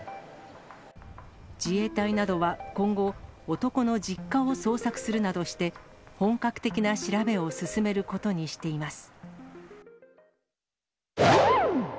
自衛隊などは今後、男の実家を捜索するなどして、本格的な調べを進めることにしています。